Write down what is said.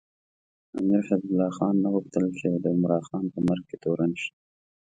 امیر حبیب الله خان نه غوښتل چې د عمراخان په مرګ کې تورن شي.